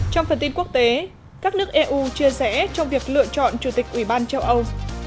trong phần tin quốc tế các nước eu chia rẽ trong việc lựa chọn chủ tịch ủy ban châu âu